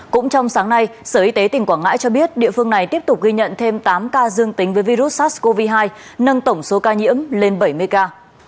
cũng trong sáng nay sở y tế tỉnh quảng ngãi cho biết địa phương này tiếp tục ghi nhận thêm tám ca dương tính với virus sars cov hai nâng tổng số ca nhiễm lên bảy mươi ca